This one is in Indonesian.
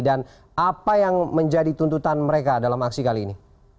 dan apa yang menjadi tuntutan mereka dalam aksi kali ini